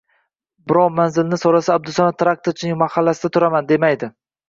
Birov manzilini so‘rasa, «Abdusamad traktorchining mahallasida turaman», demaydi.